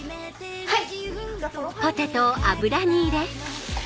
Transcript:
はい！